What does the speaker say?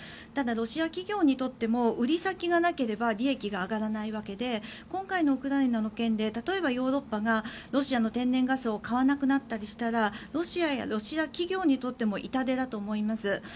ただ、ロシア企業にとっても売り先がなければ利益が上がらないわけで今回のウクライナの件で例えばヨーロッパがロシアの天然ガスを買わなくなったりしたらロシアやロシア企業にとっても痛手だと思います。